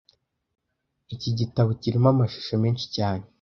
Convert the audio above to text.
Iki gitabo kirimo amashusho menshi cyane